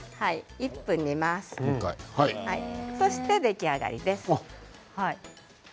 １分煮て、出来上がりです。